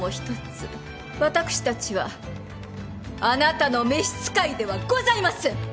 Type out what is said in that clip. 私たちはあなたの召し使いではございません！